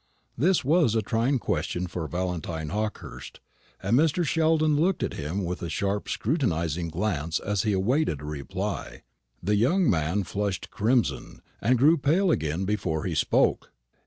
This was a trying question for Valentine Hawkehurst, and Mr. Sheldon looked at him with a sharp scrutinising glance as he awaited a reply. The young man flushed crimson, and grew pale again before he spoke.